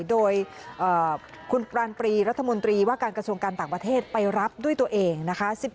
โดยคุณปรานปรีรัฐมนตรีว่าการกระทรวงการต่างประเทศไปรับด้วยตัวเองนะคะ